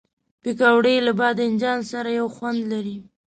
پکورې له بادنجان سره یو خوند لري